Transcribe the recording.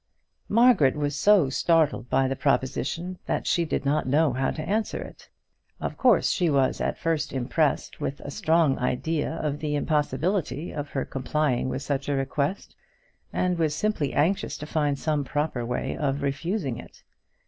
Margaret was so startled by the proposition, that she did not know how to answer it. Of course she was at first impressed with a strong idea of the impossibility of her complying with such a request, and was simply anxious to find some proper way of refusing it.